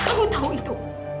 kamu tahu itu